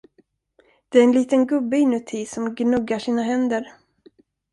Det är en liten gubbe inuti som gnuggar sina händer.